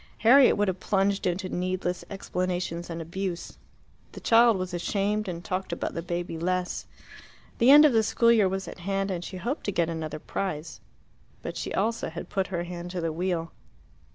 Harriet would have plunged into needless explanations and abuse. The child was ashamed, and talked about the baby less. The end of the school year was at hand, and she hoped to get another prize. But she also had put her hand to the wheel.